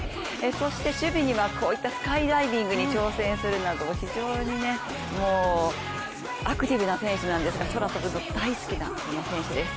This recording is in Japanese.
そして趣味には、こういったスカイダイビングにも挑戦するなど非常にアクティブな選手なんですが空を飛ぶのが大好きな選手です。